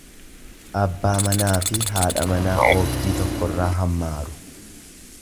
Abbaa manaafi haadha manaa oobdii tokkorraa hammaaru.